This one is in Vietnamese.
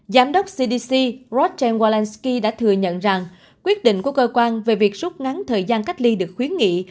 giám đốc cdc ratchen zalenskyy đã thừa nhận rằng quyết định của cơ quan về việc rút ngắn thời gian cách ly được khuyến nghị